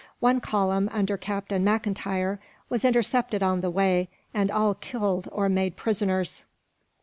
One column, under Captain Mackintyre, was intercepted on the way, and all killed or made prisoners.